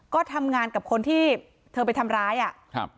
ก็ทำงานกับคนที่เธอไปทำร้ายอ่ะครับ